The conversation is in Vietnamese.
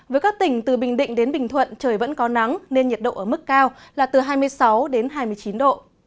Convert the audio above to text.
với các tỉnh từ bình định đến bình thuận trời vẫn có nắng nên nhiệt độ ở mức cao là từ hai mươi sáu đến hai mươi chín độ